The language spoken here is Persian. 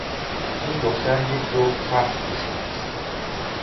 این دختر یک جفت کفش پوشیده است.